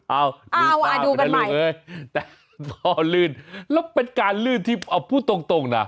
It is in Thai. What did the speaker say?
เอาดูกันใหม่แต่พอลื่นแล้วเป็นการลื่นที่เอาพูดตรงนะ